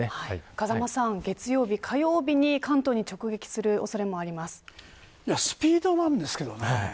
風間さん月曜日、火曜日にスピードなんですけどね